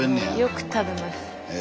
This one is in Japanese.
よく食べます。